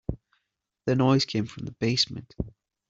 The noise came from the basement.